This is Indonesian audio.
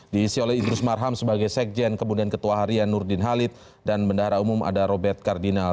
diisi oleh idrus marham sebagai sekjen kemudian ketua harian nurdin halid dan bendahara umum ada robert kardinal